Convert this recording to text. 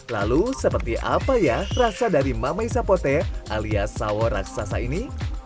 lalu seperti apa ya rasa dari mamei sapote alias sawo raksasa ini